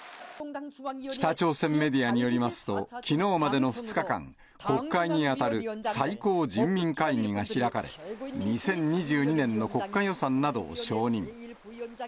北朝鮮メディアによりますと、きのうまでの２日間、国会に当たる最高人民会議が開かれ、２０２２年の国家予算などを承認。